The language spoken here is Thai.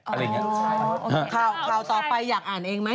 คราวต่อไปอยากอ่านเองไหม